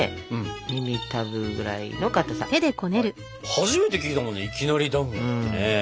初めて聞いたもんね「いきなりだんご」ってね。